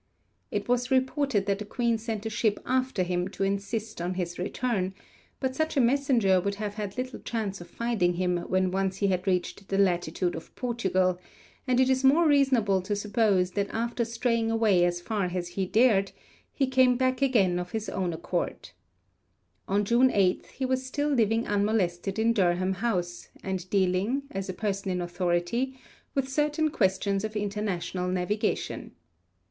It was reported that the Queen sent a ship after him to insist on his return, but such a messenger would have had little chance of finding him when once he had reached the latitude of Portugal, and it is more reasonable to suppose that after straying away as far as he dared, he came back again of his own accord. On June 8 he was still living unmolested in Durham House, and dealing, as a person in authority, with certain questions of international navigation.